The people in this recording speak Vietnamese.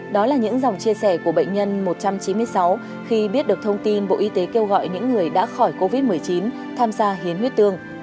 đó là những dòng chia sẻ của bệnh nhân một trăm chín mươi sáu khi biết được thông tin bộ y tế kêu gọi những người đã khỏi covid một mươi chín tham gia hiến huyết tương